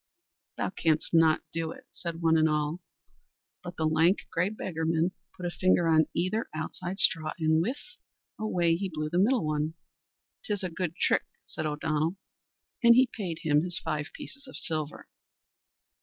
"Thou canst not do it," said one and all. But the lank, grey beggarman put a finger on either outside straw and, whiff, away he blew the middle one. "'Tis a good trick," said O'Donnell; and he paid him his five pieces of silver.